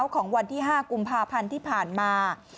ของวันที่๕กุมภาพันธ์ที่ผ่านมา